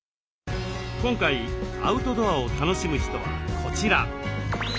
今回アウトドアを楽しむ人はこちら。